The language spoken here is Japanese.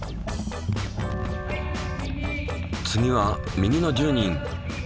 次は右の１０人。